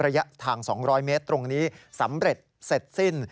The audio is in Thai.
ระยะทาง๒๐๐เมตรตรงนี้สำเร็จเสร็จสิ้น